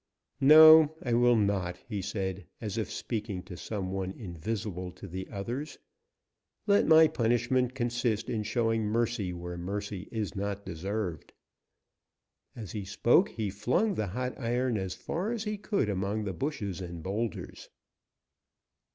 "No, I will not!" he said, as if speaking to some one invisible to the others. "Let my punishment consist in showing mercy where mercy is not deserved." As he spoke, he flung the hot iron as far as he could among the bushes and boulders.